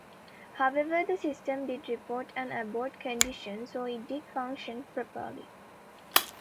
However, the system did report an abort condition, so it did function properly.